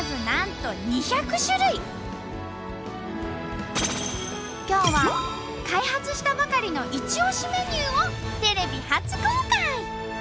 なんと今日は開発したばかりのイチオシメニューをテレビ初公開！